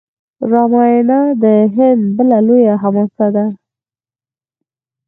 راماینا د هند بله لویه حماسه ده.